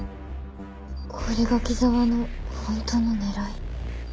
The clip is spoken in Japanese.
これが木沢の本当の狙い？